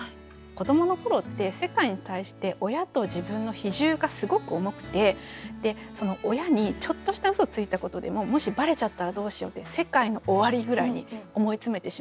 子どもの頃って世界に対して親と自分の比重がすごく重くてで親にちょっとした嘘ついたことでももしばれちゃったらどうしようって世界の終わりぐらいに思い詰めてしまう。